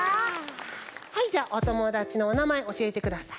はいじゃあおともだちのおなまえおしえてください。